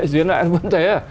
duyên lại vẫn thế